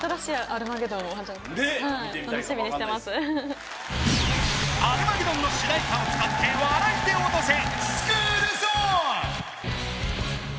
「アルマゲドン」の主題歌を使って笑いでオトせ！